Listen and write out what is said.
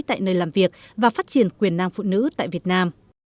tại nơi làm việc và phát triển quyền năng phụ nữ tại việt nam